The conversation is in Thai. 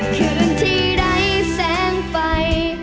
คืนที่ไร้แสงไฟ